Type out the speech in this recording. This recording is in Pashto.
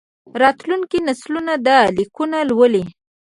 راتلونکي نسلونه دا لیکونه لولي.